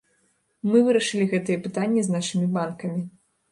Мы вырашылі гэтыя пытанні з нашымі банкамі.